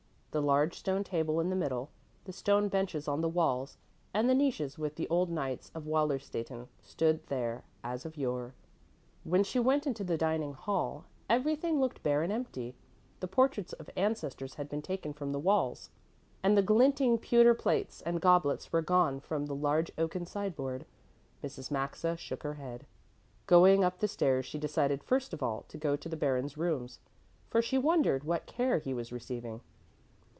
The large stone table in the middle, the stone benches on the walls and the niches with the old knights of Wallerstätten stood there as of yore. When she went into the dining hall, everything looked bare and empty. The portraits of ancestors had been taken from the walls and the glinting pewter plates and goblets were gone from the large oaken sideboard. Mrs. Maxa shook her head. Going up the stairs, she decided first of all to go to the Baron's rooms, for she wondered what care he was receiving.